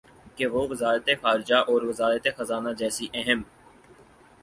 کہ وہ وزارت خارجہ اور وزارت خزانہ جیسی اہم